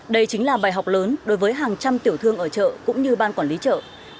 đây chính là bài học lớn đối với hàng trăm tiểu thương ở chợ cũng như ban quản lý chợ